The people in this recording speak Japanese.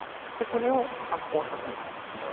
それを発酵させます